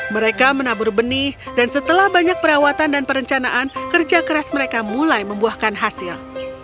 mereka menabur benih dan setelah banyak perawatan dan perencanaan kerja keras mereka mulai membuahkan hasil